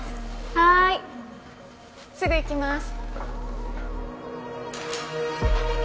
はいすぐ行きます。